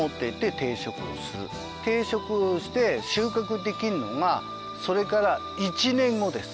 定植して収穫できるのがそれから１年後です。